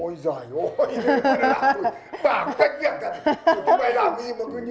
ôi giời ơi